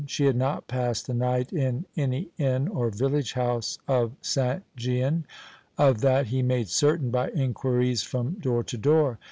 She had not passed the night in any inn or village house of St. Gian; of that he made certain by inquiries from door to door.